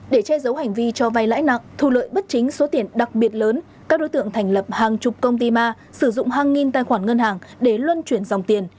để che giấu hành vi cho vay lãi nặng thu lợi bất chính số tiền đặc biệt lớn các đối tượng thành lập hàng chục công ty ma sử dụng hàng nghìn tài khoản ngân hàng để luân chuyển dòng tiền